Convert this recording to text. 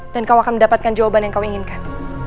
dan kau akan mendapatkan jawaban yang kau inginkan